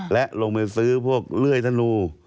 และลงไปซื้อพวกเลื่อยธนู